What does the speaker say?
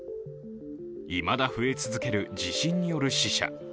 いまだ増え続ける地震による死者。